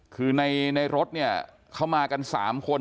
คือในรถเข้ามากัน๓คน